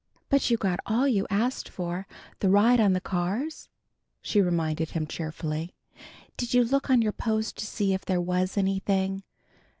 "But you got all you asked for: the ride on the cars," she reminded him cheerfully. "Did you look on your post to see if there was anything?"